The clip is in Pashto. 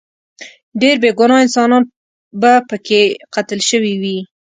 ډیر بې ګناه انسانان به پکې قتل شوي وي.